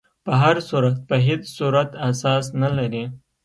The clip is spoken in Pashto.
په هر صورت په هیڅ صورت اساس نه لري.